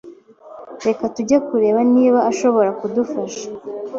Reka tujye kureba niba ashobora kudufasha.